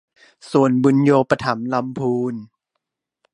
ส่วนบุญโญปถัมภ์ลำพูน